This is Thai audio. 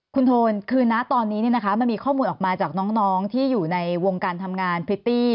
คุณโทนคือนะตอนนี้มันมีข้อมูลออกมาจากน้องที่อยู่ในวงการทำงานพริตตี้